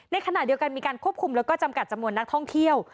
ในขณะเดียวกันมีการควบคุมแล้วก็จำกัดจำนวนนักท่องเที่ยว